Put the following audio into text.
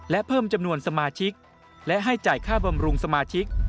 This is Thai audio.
และเพิ่มจำนวนสมาชิกและให้จ่ายค่าบำรุงสมาชิก